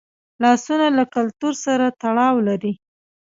لاسونه له کلتور سره تړاو لري